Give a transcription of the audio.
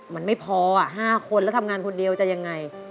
มันไม่พอ๕คนแล้วทำงานคนเดียวจะยังไง